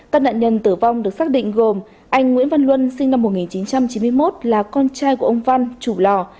các nạn nhân tử vong được xác định gồm anh nguyễn văn luân sinh năm một nghìn chín trăm chín mươi một là con trai của ông văn chủ lò